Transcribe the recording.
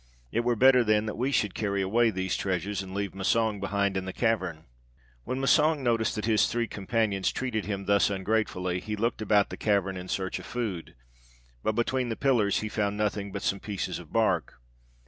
It were better, then, that we should carry away these treasures, and leave Massang behind in the cavern!' "When Massang noticed that his three companions treated him thus ungratefully, he looked about the cavern in search of food, but between the pillars he found nothing but some pieces of bark.